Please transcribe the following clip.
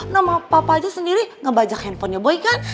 nama papa aja sendiri ngebajak handphonenya boy kan